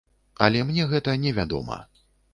Але мне гэта невядома.